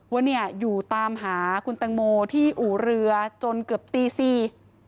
ว่าอยู่ตามหาคุณตังโมที่อู่เรือจนเกือบตี๐๔๐๐